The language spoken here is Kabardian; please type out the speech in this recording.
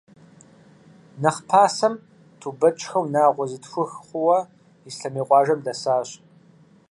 Нэхъ пасэм, Тубэчхэ унагъуэ зытхух хъууэ, Ислъэмей къуажэм дэсащ.